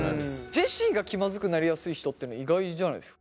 ジェシーが気まずくなりやすい人っていうのは意外じゃないですか？